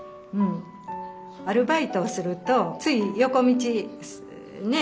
アルバイトをするとつい横道ねえ